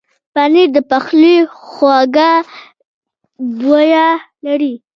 پنېر د پخلي خوږه بویه لري.